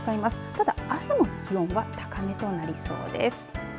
ただ、あすも気温は高めとなりそうです。